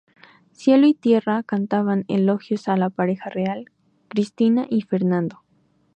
Cielo y tierra cantaban elogios a la pareja real, Cristina y Fernando.